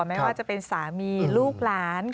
ไม่ว่าจะเป็นสามีลูกหลาน